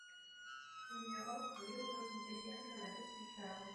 Pocházel z rodiny drobného rolníka.